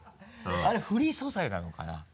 あれフリー素材なのかな？